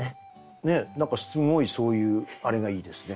何かすごいそういうあれがいいですね。